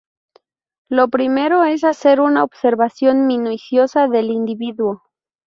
Lo primero es hacer una observación minuciosa del individuo.